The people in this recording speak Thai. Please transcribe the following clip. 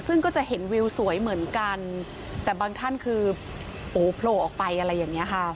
ซึ่งก็จะเห็นวิวสวยเหมือนกันแต่บางท่านคือโอ้โหโผล่ออกไปอะไรอย่างนี้ค่ะ